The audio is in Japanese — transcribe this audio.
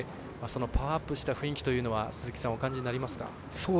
パワーアップした雰囲気というのはお感じになりますか？